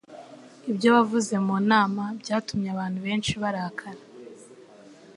Ibyo wavuze mu nama byatumye abantu benshi barakara.